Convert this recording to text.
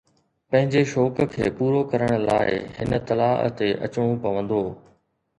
پنهنجي شوق کي پورو ڪرڻ لاءِ هن تلاءَ تي اچڻو پوندو